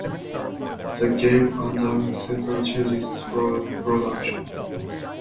The game underwent several changes throughout production.